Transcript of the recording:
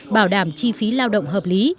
bảo đảm chi phí lao động hợp lý